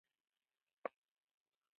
کلي د افغانستان په ستراتیژیک اهمیت کې دي.